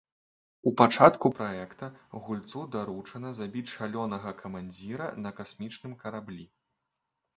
У пачатку праекта гульцу даручана забіць шалёнага камандзіра на касмічным караблі.